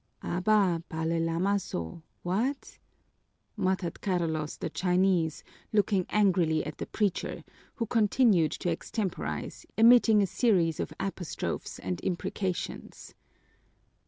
"Abá, Pale Lamaso, what!" muttered Carlos, the Chinese, looking angrily at the preacher, who continued to extemporize, emitting a series of apostrophes and imprecations.